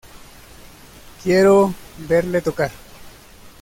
Quiero verle tocar.